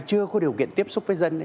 chưa có điều kiện tiếp xúc với dân